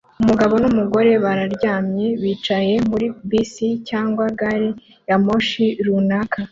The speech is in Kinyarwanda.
Umugabo numugore bararyamye bicaye muri bisi cyangwa gari ya moshi runaka